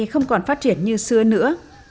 không còn phát triển như xưa nữa